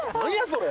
それ。